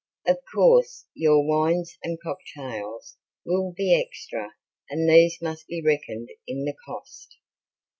Of course your wines and cocktails will be extra and these must be reckoned in the cost.